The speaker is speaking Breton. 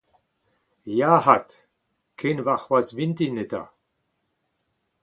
Ya ’vat, ken warc’hoazh vintin eta !